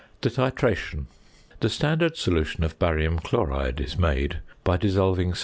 ~The Titration.~ The standard solution of barium chloride is made by dissolving 76.